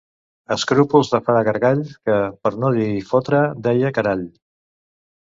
Escrúpols de fra Gargall que, per no dir fotre, deia carall.